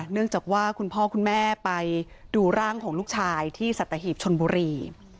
เนื่องจากว่าคุณพ่อคุณแม่ไปดูร่างของลูกชายที่สัตหีบชนบุรี